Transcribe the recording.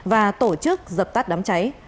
và tổ chức dập tắt đám cháy